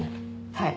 はい。